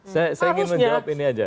saya ingin menjawab ini aja